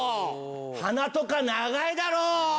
鼻とか長いだろう。